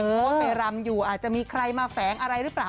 เพราะว่าไปรำอยู่อาจจะมีใครมาแฝงอะไรหรือเปล่า